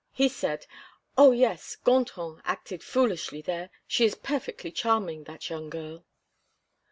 He said: "Oh! yes, Gontran acted foolishly there. She is perfectly charming, that young girl."